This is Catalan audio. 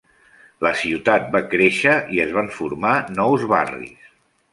La ciutat va créixer i es van formar nous barris.